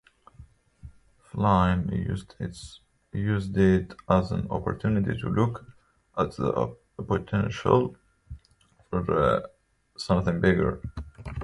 Flynn used it as an opportunity to look at the potential for something bigger.